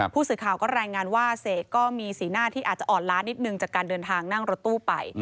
ผู้สื่อข่าวก็รายงานว่าเสกก็มีสีหน้าที่อาจจะอ่อนล้านิดนึงจากการเดินทางนั่งรถตู้ไป